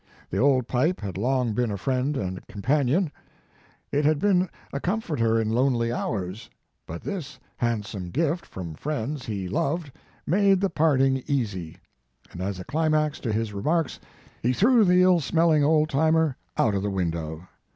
The old pipe had long been a friend and companion. It had been a comforter in lonely hours; but this handsome gift from friends he loved made the parting easy, and as a climax to his remarks he threw the ill smelling old timer out of the window.